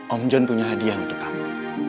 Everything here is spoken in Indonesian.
om john punya hadiah untuk kamu